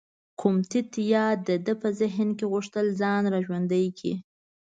کوم تت یاد د ده په ذهن کې غوښتل ځان را ژوندی کړي.